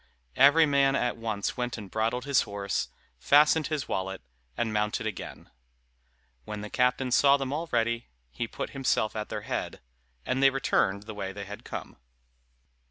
Every man at once went and bridled his horse, fastened his wallet, and mounted again. When the captain saw them all ready, he put himself at their head, and they returned the way they had come.